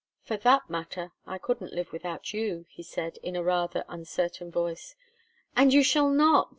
"For that matter, I couldn't live without you," he said, in a rather uncertain voice. "And you shall not!"